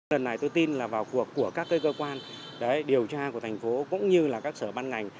lần này tôi tin là vào cuộc của các cơ quan điều tra của thành phố cũng như là các sở ban ngành